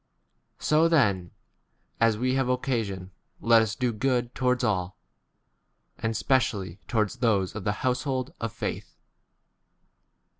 So then, as we have occa sion let us do good 1 towards all, and specially toward those of the household of faith.